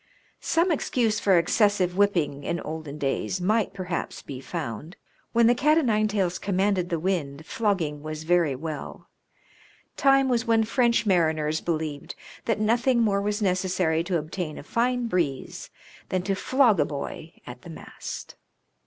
Some excuse for excessive whipping in olden days might perhaps be found. When the cat o' nine tails com manded the wind flogging was very well. Time was when French mariners believed that nothing more was necessary to obtain a fine breeze than to flog a boy at the mast.